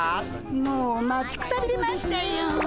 もう待ちくたびれましたよ。